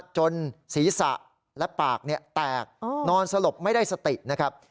จนศีรษะและปากแตกนอนสลบไม่ได้สตินะครับ